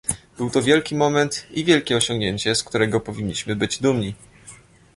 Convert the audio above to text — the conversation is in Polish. Był to wielki moment i wielkie osiągnięcie, z którego powinniśmy być dumni